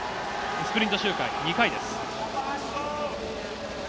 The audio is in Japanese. スプリント周回２回です。